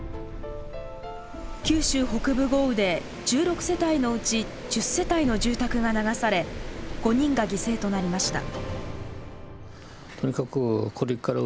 九州北部豪雨で１６世帯のうち１０世帯の住宅が流され５人が犠牲となりました。